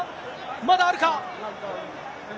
まだあるか？